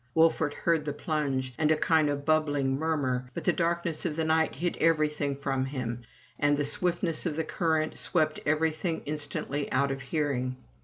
Wolfert heard the plunge, and a kind of bubbling murmur, but the darkness of the night hid everything from him, and the swiftness of the current swept everything instantly out of hearing.